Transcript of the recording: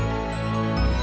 gini juga siapa tiguan kamu